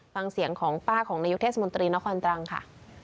ฟังเสียงของป้าของนายกเทศมนตรีนครตรังค่ะ